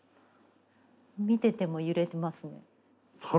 見てても揺れてますね。